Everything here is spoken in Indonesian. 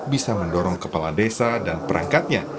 bisa mendorong kepala desa dan perangkatnya